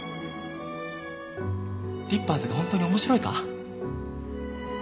リッパーズが本当に面白いか？